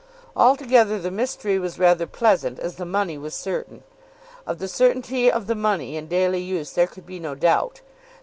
Altogether the mystery was rather pleasant as the money was certain. Of the certainty of the money in daily use there could be no doubt.